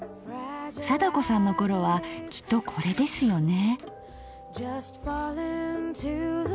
貞子さんの頃はきっとこれですよね。